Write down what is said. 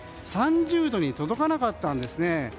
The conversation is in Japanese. ３０度に届かなかったんです。